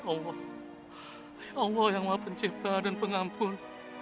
allah ya allah yang maha pencipta dan pengampun